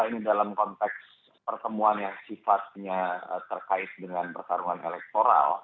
ini dalam konteks pertemuan yang sifatnya terkait dengan pertarungan elektoral